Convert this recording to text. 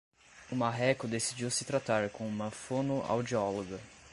O marreco decidiu se tratar com uma fonoaudióloga